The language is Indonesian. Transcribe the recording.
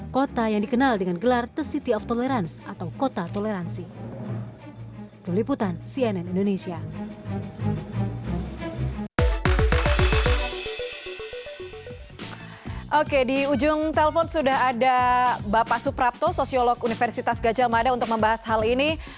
kota yang dikenal dengan gelar the city of tolerance atau kota toleransi